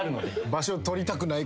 場所取りたくないから。